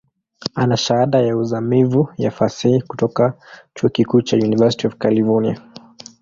Ana Shahada ya uzamivu ya Fasihi kutoka chuo kikuu cha University of California.